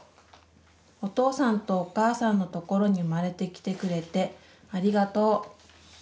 お父さんとお母さんのところに産まれてきてくれてありがとう。